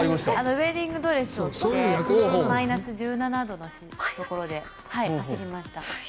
ウェディングドレスを着てマイナス１７度のところで走りました。